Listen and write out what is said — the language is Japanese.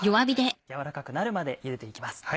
軟らかくなるまでゆでて行きます。